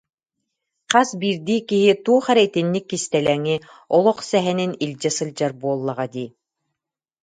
Хас биирдии киһи туох эрэ итинник кистэлэҥи, олох сэһэнин илдьэ сылдьар буоллаҕа дии